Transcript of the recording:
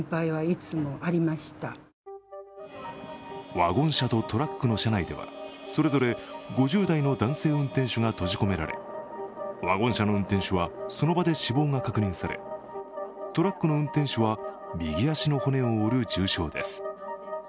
ワゴン車とトラックの車内では、それぞれ５０代の男性運転手が閉じ込められ、ワゴン車の運転手はその場で死亡が確認され、トラックの運転手は右足の骨を折る重傷です。